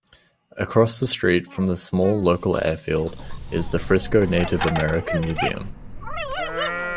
Across the street from the small, local airfield is the Frisco Native American Museum.